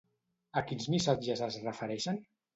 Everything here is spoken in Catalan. A quins missatges es refereixen?